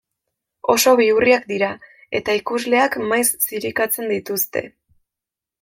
Oso bihurriak dira, eta ikusleak maiz zirikatzen dituzte.